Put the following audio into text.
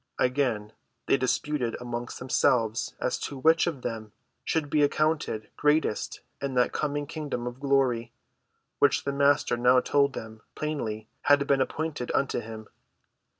Again they disputed among themselves as to which of them should be accounted greatest in that coming kingdom of glory which the Master now told them plainly had been appointed unto him.